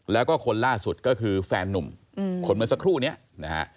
แล้วก็คนล่าสุดก็คือแฟนนุ่มคนเมื่อสักครู่นี้นะฮะ